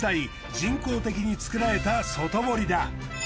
人工的に作られた外堀だ。